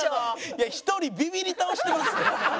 いや１人ビビり倒してますって。